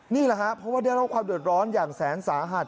นี่แหละครับเพราะว่าได้รับความเดือดร้อนอย่างแสนสาหัส